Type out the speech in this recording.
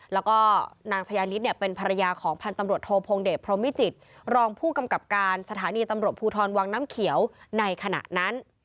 แล้วก็นางชายานิดเป็นภรรยาของพันธ์ตำรวจโทพงเดชพรมมิจิตรรองผู้กำกับการสถานีตำรวจภูทรวังน้ำเขียวในขณะนั้น